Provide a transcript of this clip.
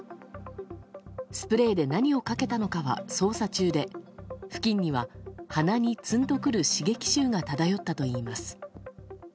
スプレーで何をかけたのかは捜査中で付近には鼻にツンと来る刺激臭が漂ったといいます。